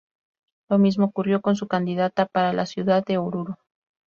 Lo mismo ocurrió con su candidata para la ciudad de Oruro.